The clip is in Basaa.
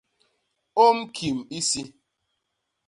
Ôm kim isi.